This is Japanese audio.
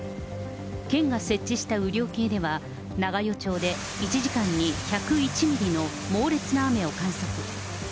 県が設置した雨量計では、長与町で１時間に１０１ミリの猛烈な雨を観測。